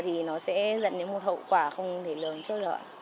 thì nó sẽ dẫn đến một hậu quả không thể lường cho được